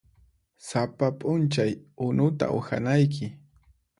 Sapa p'unchay unuta uhanayki.